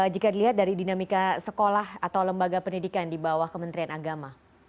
jika dilihat dari dinamika sekolah atau lembaga pendidikan di bawah kementerian agama